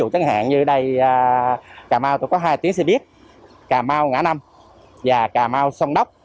chẳng hạn như đây cà mau tôi có hai tuyến xe buýt cà mau ngã năm và cà mau sông đốc